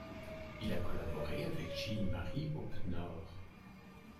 Il a collaboré avec Gilles-Marie Oppenord.